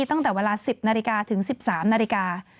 ตั้งแต่เวลาสิบนาฬิกาถึงสิบสามนาฬิกา